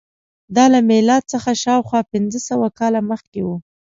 دا له میلاد څخه شاوخوا پنځه سوه کاله مخکې وه.